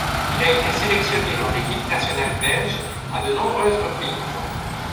Il a été sélectionné dans l'équipe nationale belge à de nombreuses reprises.